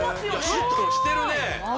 シュッとしてるね